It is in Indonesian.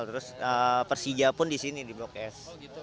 terus persija pun di sini di blok s